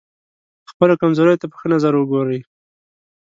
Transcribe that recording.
خپلو کمزوریو ته په ښه نظر وګورئ.